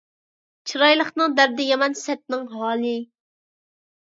چىرايلىقنىڭ دەردى يامان، سەتنىڭ ھالى